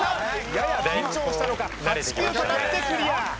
やや緊張したのか８球かかってクリア